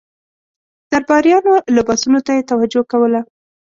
درباریانو لباسونو ته یې توجه کوله.